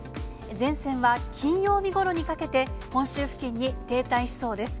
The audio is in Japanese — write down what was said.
前線は金曜日ごろにかけて、本州付近に停滞しそうです。